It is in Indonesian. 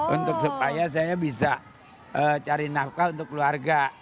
untuk supaya saya bisa cari nafkah untuk keluarga